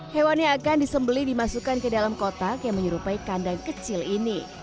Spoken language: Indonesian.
hewan yang akan disembeli dimasukkan ke dalam kotak yang menyerupai kandang kecil ini